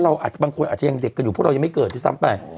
บางคนอาจจะยังเด็กกันอยู่พวกเรายังไม่เกิดด้วยซ้ำไป